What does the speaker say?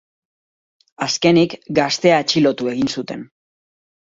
Azkenik, gaztea atxilotu egin zuten.